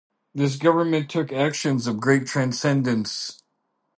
This government took actions of great transcendence.